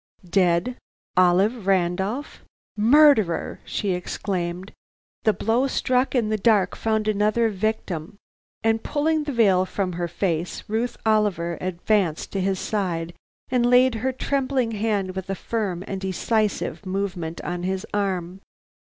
"Dead, Olive Randolph? Murderer!" she exclaimed. "The blow struck in the dark found another victim!" And pulling the veil from her face, Ruth Oliver advanced to his side and laid her trembling hand with a firm and decisive movement on his arm.